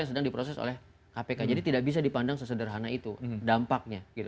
yang sedang diproses oleh kpk jadi tidak bisa dipandang sesederhana itu dampaknya